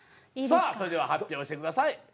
さあそれでは発表してください。